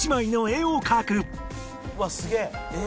うわすげえ！